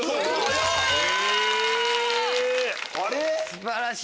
素晴らしい！